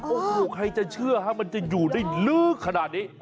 โอ้โหใครจะเชื่อฮะมันจะอยู่ได้ลึกขนาดนี้